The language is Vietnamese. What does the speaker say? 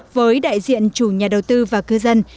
với đại diện chủ nhà đầu tư và cư dân